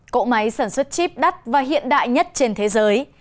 cỗ máy sản xuất chip đắt và hiện đại nhất trên thế giới